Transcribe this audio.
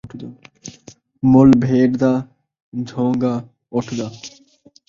مُل بھیݙ دا ، جھون٘گا اُٹھ دا